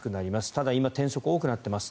ただ、今転職が多くなっています。